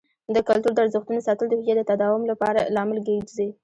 د کلتور د ارزښتونو ساتل د هویت د تداوم لامل ګرځي.